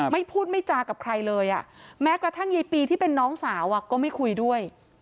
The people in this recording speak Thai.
ไม่พูดไม่จากับใครเลยแม้กระทั่งยายปีที่เป็นน้องสาวก็ไม่คุยด้วย